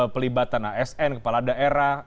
pelibatan asn kepala daerah